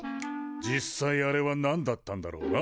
実際あれはなんだったんだろうな。